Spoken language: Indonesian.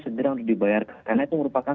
segera untuk dibayar karena itu merupakan